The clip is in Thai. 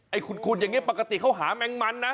ขุดอย่างนี้ปกติเขาหาแมงมันนะ